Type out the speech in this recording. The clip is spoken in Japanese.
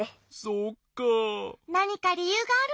そっかあ。